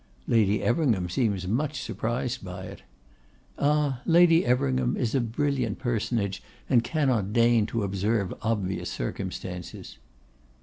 'Lady Everingham seems much surprised at it.' 'Ah! Lady Everingham is a brilliant personage, and cannot deign to observe obvious circumstances.